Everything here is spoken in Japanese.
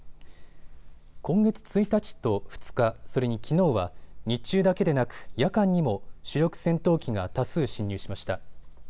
今月１日と２日、それにきのうは日中だけでなく夜間にも主力戦闘機が多数進入しました。